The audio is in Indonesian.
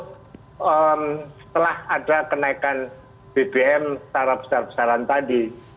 setelah ada kenaikan bbm secara besar besaran tadi